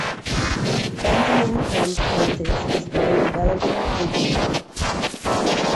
Benjamin M. Prentiss was born in Belleville, Virginia.